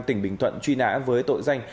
tỉnh bình thuận truy nã với tội danh